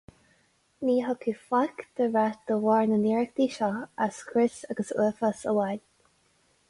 Ní thiocfadh faic de rath de bharr na n-iarrachtaí seo ach scrios agus uafás amháin.